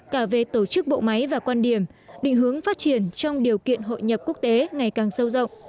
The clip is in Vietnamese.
cả về tổ chức bộ máy và quan điểm định hướng phát triển trong điều kiện hội nhập quốc tế ngày càng sâu rộng